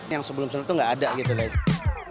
yang sebelum sebelumnya itu enggak ada gitu